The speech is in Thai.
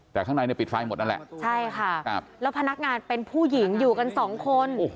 แต่ข้างในเนี่ยปิดไฟหมดนั่นแหละใช่ค่ะแล้วพนักงานเป็นผู้หญิงอยู่กันสองคน